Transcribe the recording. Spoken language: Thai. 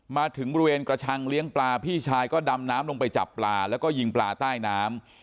มาถึงบริเวณกระชังเลี้ยงปลาพี่ชายก็ดำน้ำลงไปจับปลาแล้วก็ยิงปลาใต้น้ำ